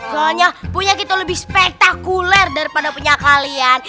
konyol punya kita lebih spektakuler daripada punya kalian